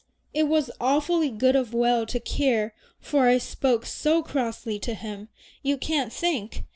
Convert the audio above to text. "It was awfully good of Will to care, for I spoke so crossly to him. You can't think.